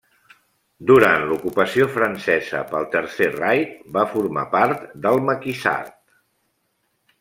Durant l'ocupació francesa pel Tercer Reich va formar part del maquisard.